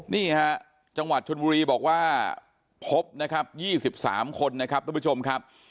นี่ฮะจังหวัดชนบุรีบอกว่าพบนะครับ๒๓คนนะครับทุกผู้ชมครับ